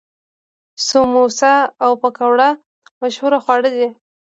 سموسه او پکوړه مشهور خواړه دي.